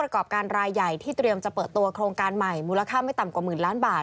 โครงการใหม่มูลค่าไม่ต่ำกว่าหมื่นล้านบาท